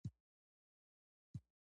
تاسو هوښیار یاست